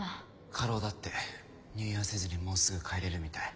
過労だって入院はせずにもうすぐ帰れるみたい。